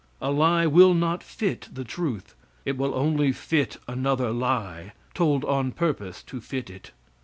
A lie will not fit the truth; it will only fit another lie told on purpose to fit it.